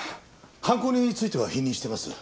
犯行については否認してます。